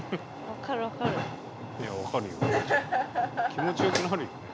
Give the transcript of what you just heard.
気持ちよくなるよね。